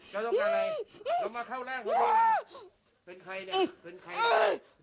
เจ้าต้องการอะไรเรามาเข้าแล้งเป็นใครเนี่ยเป็นใครเนี่ยเป็นใครเนี่ย